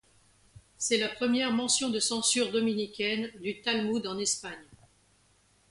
C'est la première mention de censure dominicaine du Talmud en Espagne.